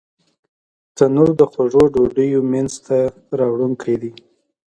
تنور د خوږو ډوډیو مینځ ته راوړونکی دی